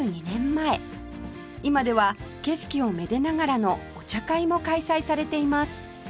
今では景色をめでながらのお茶会も開催されています